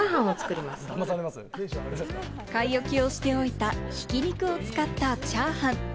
買い置きをしておいた挽肉を使ったチャーハン。